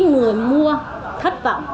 người mua thất vọng